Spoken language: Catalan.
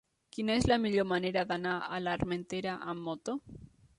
Quina és la millor manera d'anar a l'Armentera amb moto?